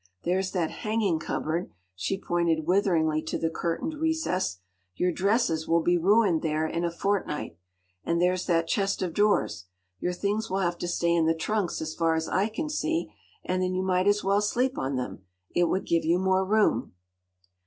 There’s that hanging cupboard”—she pointed witheringly to the curtained recess—“your dresses will be ruined there in a fortnight. And there’s that chest of drawers. Your things will have to stay in the trunks, as far as I can see, and then you might as well sleep on them. It would give you more room!